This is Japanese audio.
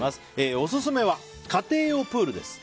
オススメは家庭用プールです。